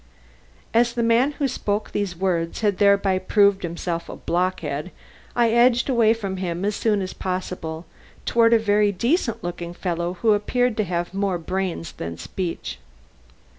As the man who spoke these words had thereby proved himself a blockhead, I edged away from him as soon as possible toward a very decent looking fellow who appeared to have more brains than speech.